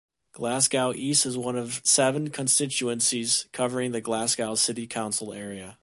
Glasgow East is one of seven constituencies covering the Glasgow City council area.